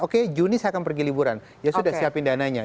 oke juni saya akan pergi liburan ya sudah siapin dananya